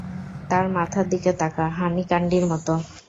তার মাথার দিকে তাকা, হানী ক্যান্ডির মতো।